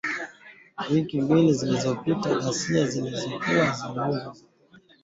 Wiki mbili zilizopita ghasia zilizochochewa na watu wanaoshukiwa kuwa wafuasi wa chama tawala